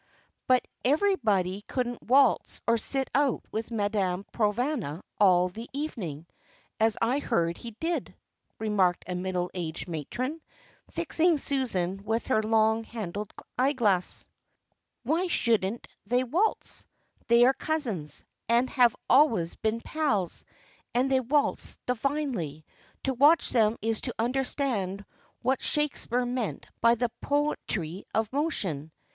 "But everybody couldn't waltz or sit out with Madame Provana all the evening, as I heard he did," remarked a middle aged matron, fixing Susan with her long handled eyeglass. "Why shouldn't they waltz? They are cousins, and have always been pals, and they waltz divinely. To watch them is to understand what Shakespeare meant by the poetry of motion.